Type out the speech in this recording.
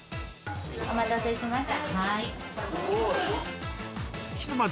お待たせしました。